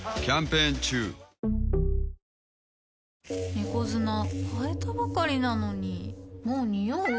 猫砂替えたばかりなのにもうニオう？